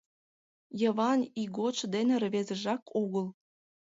Йыван ийготшо дене рвезыжак огыл.